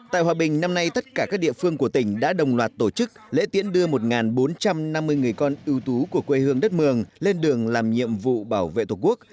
tại hòa bình năm nay tất cả các địa phương của tỉnh đã đồng loạt tổ chức lễ tiễn đưa một bốn trăm năm mươi người con ưu tú của quê hương đất mường lên đường làm nhiệm vụ bảo vệ tổ quốc